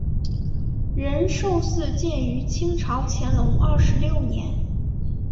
仁寿寺建于清朝乾隆二十六年。